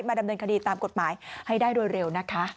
ดำเนินคดีตามกฎหมายให้ได้โดยเร็วนะคะ